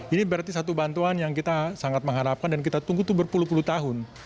ini berarti satu bantuan yang kita sangat mengharapkan dan kita tunggu itu berpuluh puluh tahun